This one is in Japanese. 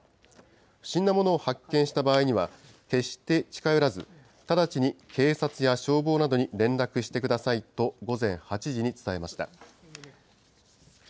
不審なものを発見した場合には、決して近寄らず、直ちに警察や消防などに連絡してくださいと午前８時に伝えました。